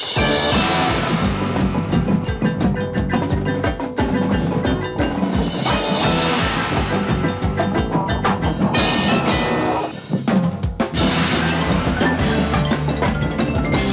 สวัสดีครับ